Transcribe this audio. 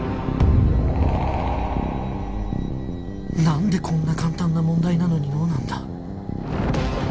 なんでこんな簡単な問題なのに ＮＯ なんだ？